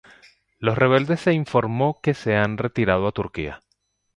Los rebeldes se informó que se han retirado a Turquía.